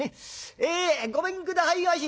「ええごめんくださいまし。